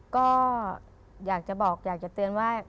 ก็อยากจะบอกอยากจะเตือนว่า